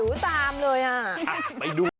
หิวตามเลยอ่ะ